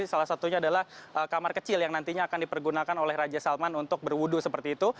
salah satunya adalah kamar kecil yang nantinya akan dipergunakan oleh raja salman untuk berwudu seperti itu